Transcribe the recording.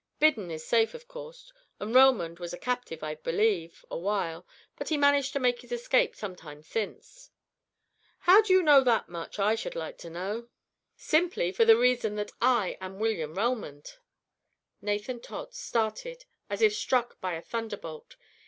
"Biddon is safe, of course; and Relmond was a captive, I believe, awhile, but he managed to make his escape some time since." "How do you know that much, I should like to know?" "Simply for the reason that I am William Relmond." Nathan Todd started as if struck by a thunderbolt.